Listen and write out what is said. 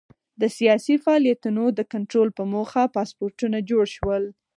د سیاسي فعالیتونو د کنټرول په موخه پاسپورټونه جوړ شول.